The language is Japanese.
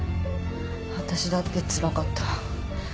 私だってつらかった。